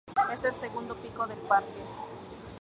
Es el segundo pico del parque.